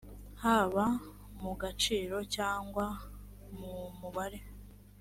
haba mu gaciro cyangwa mu mubare